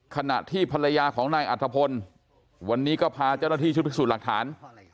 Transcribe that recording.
ขณะที่ภรรยาของนายอัธพลวันนี้ก็พาเจ้าหน้าที่ชุดพิสูจน์หลักฐาน